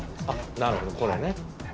なるほどこれね。